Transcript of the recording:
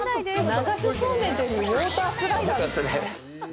流しそうめんというよりウォータースライダーですね。